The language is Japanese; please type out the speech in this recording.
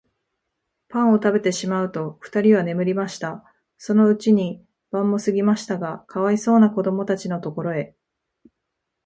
パンをたべてしまうと、ふたりは眠りました。そのうちに晩もすぎましたが、かわいそうなこどもたちのところへ、